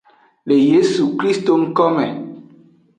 Le yesu krist ngkome.